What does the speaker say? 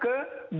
kemudian masuk ke